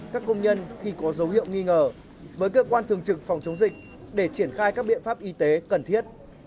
các công nhân khi có dấu hiệu nghi ngờ với cơ quan thường trực phòng chống dịch để triển khai các biện pháp y tế cần thiết